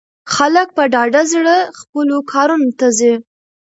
خلک په ډاډه زړه خپلو کارونو ته ځي.